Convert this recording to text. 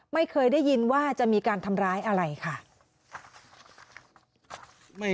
ไม่เคยได้ยินว่าจะมีการทำร้ายอะไรค่ะ